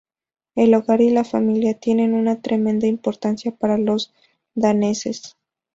El hogar y la familia tienen una tremenda importancia para los daneses.